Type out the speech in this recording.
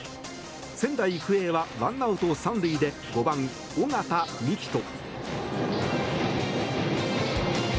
仙台育英はワンアウト３塁で５番、尾形樹人。